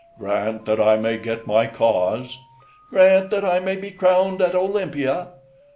"Grant that I may get my cause!" "Grant that I may be crowned at Olympia!"